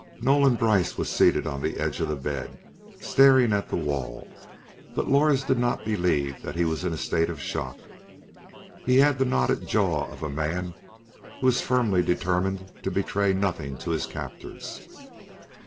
Nolan Brice was seated on the edge of the bed staring at the wall, but Lors did not believe that he was in a state of shock. He had the knotted jaws of a man who is firmly determined to betray nothing to his captors.